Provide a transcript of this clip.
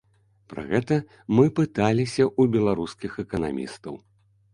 Пра гэта мы пыталіся ў беларускіх эканамістаў.